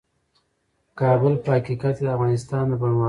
کابل په حقیقت کې د افغانستان د بڼوالۍ برخه ده.